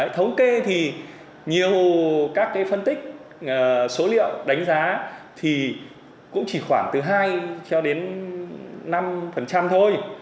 thống kê thì nhiều các phân tích số liệu đánh giá thì cũng chỉ khoảng từ hai cho đến năm thôi